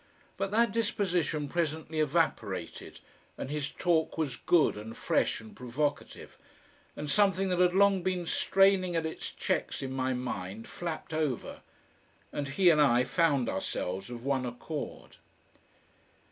But that disposition presently evaporated, and his talk was good and fresh and provocative. And something that had long been straining at its checks in my mind flapped over, and he and I found ourselves of one accord.